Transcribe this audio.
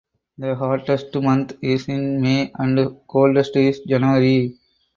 The hottest month is in May and coldest is January.